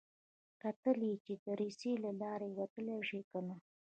کتل يې چې د دريڅې له لارې وتلی شي که نه.